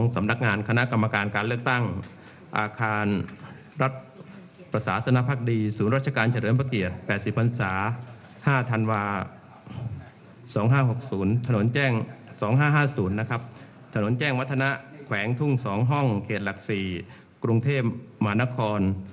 สำนักงานคณะกรรมการการเลือกตั้งอาคารรัฐประสาสนภักดีศูนย์ราชการเฉลิมพระเกียรติ๘๐พันศา๕ธันวา๒๕๖๐ถนนแจ้ง๒๕๕๐นะครับถนนแจ้งวัฒนะแขวงทุ่ง๒ห้องเขตหลัก๔กรุงเทพมหานคร